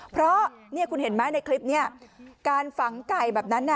เพราะเนี่ยคุณเห็นไหมในคลิปนี้การฝังไก่แบบนั้น